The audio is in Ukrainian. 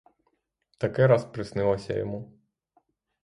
Таке раз приснилось йому.